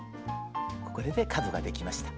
これで角ができました。